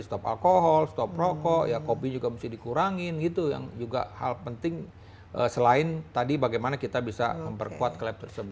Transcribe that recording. stop alkohol stop rokok ya kopi juga mesti dikurangin gitu yang juga hal penting selain tadi bagaimana kita bisa memperkuat klep tersebut